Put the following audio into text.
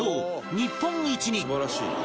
日本一に！